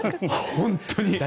本当に。